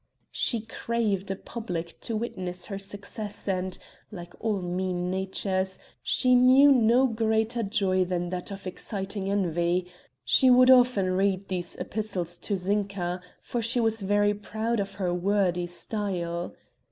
She craved a public to witness her success and, like all mean natures, she knew no greater joy than that of exciting envy; she would often read these epistles to Zinka, for she was very proud of her wordy style.